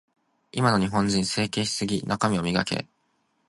今の日本人、整形しすぎ。中身を磨け。